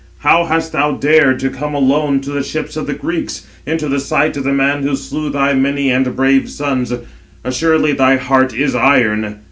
How hast thou dared to come alone to the ships of the Greeks, into the sight of the man who slew thy many and brave sons? Assuredly thy heart is iron.